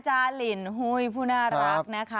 ลินหุ้ยผู้น่ารักนะคะ